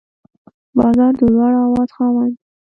باز د لوړ اواز خاوند دی